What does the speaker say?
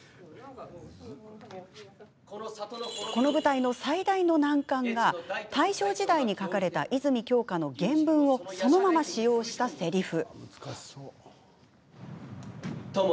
この舞台の最大の難関が大正時代に書かれた泉鏡花の原文をそのまま使用したせりふ。